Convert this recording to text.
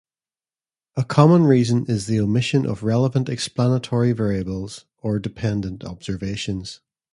A common reason is the omission of relevant explanatory variables, or dependent observations.